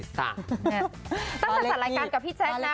ตั้งแต่จัดรายการกับพี่แจ๊คนะ